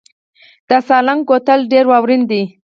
د سالنګ کوتل ډیر واورین دی